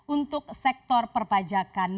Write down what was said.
untuk sektor perpajakan